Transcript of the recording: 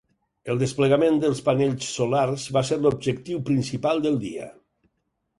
El desplegament dels panells solars va ser l'objectiu principal del dia.